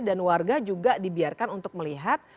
dan warga juga dibiarkan untuk melihat